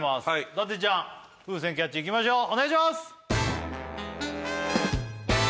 伊達ちゃん風船キャッチいきましょうお願いします